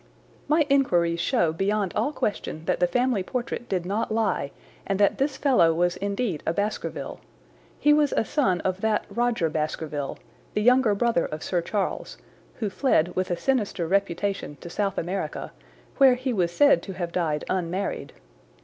"My inquiries show beyond all question that the family portrait did not lie, and that this fellow was indeed a Baskerville. He was a son of that Rodger Baskerville, the younger brother of Sir Charles, who fled with a sinister reputation to South America, where he was said to have died unmarried.